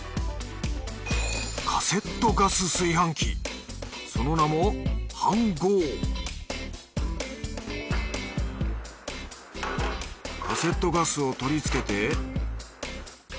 カセットガス炊飯器その名もＨＡＮ−ｇｏカセットガスを取りつけて。